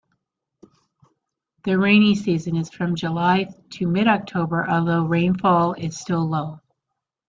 The 'rainy season' is from July to mid-October, although rainfall is still low.